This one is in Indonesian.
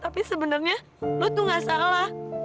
tapi sebenarnya kamu tidak salah